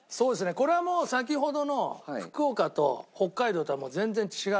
これはもう先ほどの福岡と北海道とはもう全然違う。